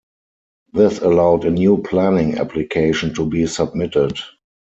This allowed a new planning application to be submitted.